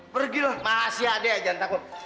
pergi loh masih ada yang jangan takut